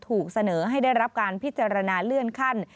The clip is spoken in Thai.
ถูกเสนอให้ได้รับการพิจารณาเลื่อนขั้น